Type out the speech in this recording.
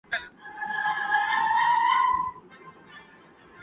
Asian boxing championship Kazakhstan نے جیت لی